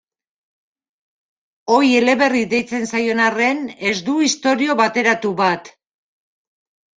Ohi eleberri deitzen zaion arren, ez du istorio bateratu bat.